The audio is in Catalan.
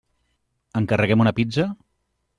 Encarreguem una pizza?